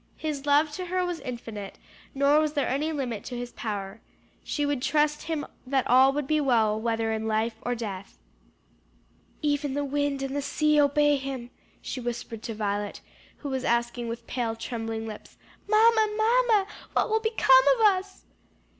His love to her was infinite nor was there any limit to his power. She would trust him that all would be well whether in life or death. "'Even the wind and the sea obey him,'" she whispered to Violet, who was asking with pale trembling lips, "Mamma, mamma, what will become of us?"